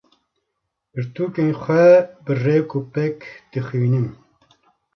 Pirtûkên xwe bi rêk û pêk dixwînim.